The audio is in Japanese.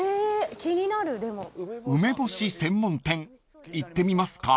［梅干し専門店行ってみますか？］